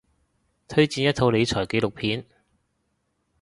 推薦一套理財紀錄片